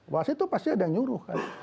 wasit itu pasti ada yang nyuruh kan